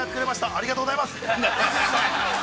ありがとうございます。